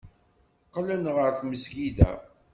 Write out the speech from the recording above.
Qqlen ɣer tmesgida.